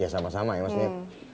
ya sama sama ya maksudnya